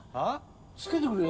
つけてくれよ。